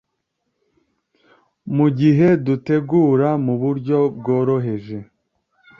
mu gihe dutegura mu buryo bworoheje